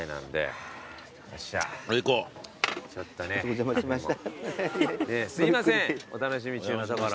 お邪魔しました。